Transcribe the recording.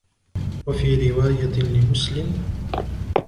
وفي روايةٍ لمسلمٍ: